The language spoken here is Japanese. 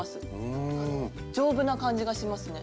丈夫な感じがしますね。